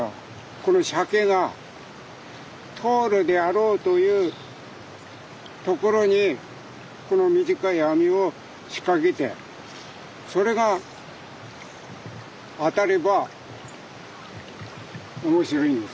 このシャケが通るであろうというところにこの短い網を仕掛けてそれが当たれば面白いんですよ。